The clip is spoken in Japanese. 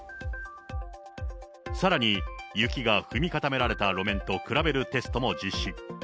さらに、雪が踏み固められた路面と比べるテストも実施。